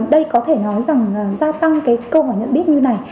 đây có thể nói rằng gia tăng cái câu hỏi nhận biết như này